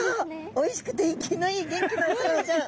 おいしくて生きのいい元気なお魚ちゃん！